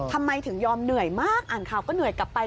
ทำไมถึงยอมเหนื่อยมากอ่านข่าวก็เหนื่อยกลับไป